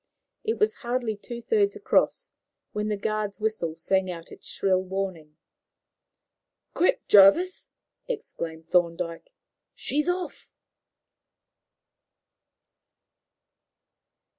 It was hardly two thirds across when the guard's whistle sang out its shrill warning. "Quick, Jervis," exclaimed Thorndyke; "she's off!"